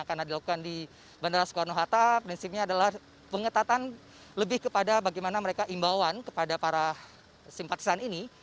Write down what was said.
karena dilakukan di bandara soekarno hatta prinsipnya adalah pengetatan lebih kepada bagaimana mereka imbauan kepada para simpatisan ini